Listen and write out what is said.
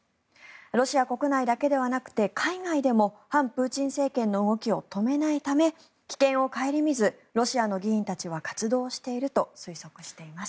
ロシア国内だけではなくて海外でも反プーチン政権の動きを止めないため、危険を顧みずロシアの議員たちは活動していると推測しています。